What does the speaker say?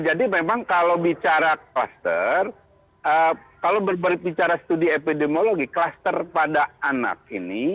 jadi memang kalau bicara kluster kalau berbicara studi epidemiologi kluster pada anak ini